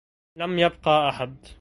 لم يبقى أحد